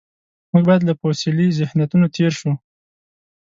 موږ باید له فوسیلي ذهنیتونو تېر شو.